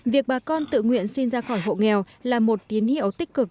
việc bà con tự nguyện sinh ra khỏi hộ nghèo là một tiến hiệu tích cực